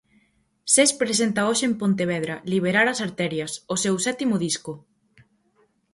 Sés presenta hoxe en Pontevedra "Liberar as arterias", o seu sétimo disco.